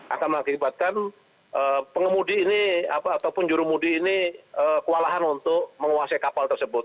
akan mengakibatkan pengemudi ini ataupun jurumudi ini kewalahan untuk menguasai kapal tersebut